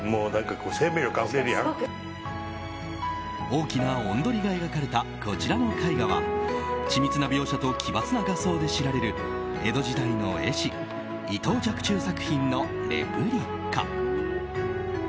大きな雄鶏が描かれたこちらの絵画は緻密な描写と奇抜な画想で知られる江戸時代の絵師・伊藤若冲作品のレプリカ。